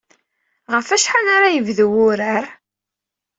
Ɣef wacḥal ara d-yebdu wurar?